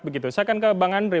saya akan ke bang andri